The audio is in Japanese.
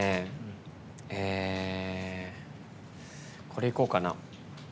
これいこうかな。